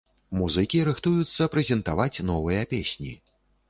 Музыкі рыхтуюцца прэзентаваць новыя песні.